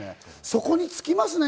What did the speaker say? そこにつきますね？